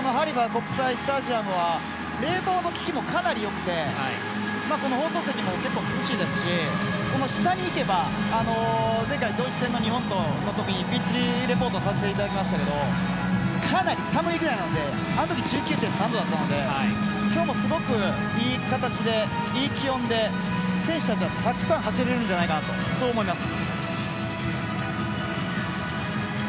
国際スタジアムは冷房のききも、かなりよくて放送席も結構涼しいですしこの下に行けば、前回ドイツ戦の日本のとき、ピッチリポートさせてもらいましたがかなり寒いぐらいなのであのとき１９．３度だったので今日もすごくいい形でいい気温で、選手たちはたくさん走れるんじゃないかとそう思います。